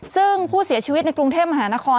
ซึ่งผู้เสียชีวิตในกรุงเทพมหานคร